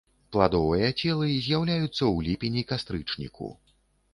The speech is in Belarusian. Пладовыя целы з'яўляюцца ў ліпені-кастрычніку.